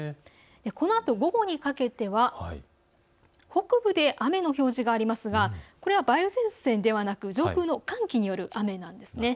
このあと午後にかけては北部で雨の表示がありますがこれは梅雨前線ではなく上空の寒気による雨なんです。